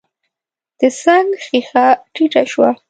د څنګ ښېښه ټيټه شوه.